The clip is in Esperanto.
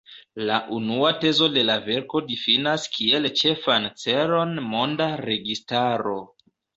La unua tezo de la verko difinas kiel ĉefan celon monda registaro.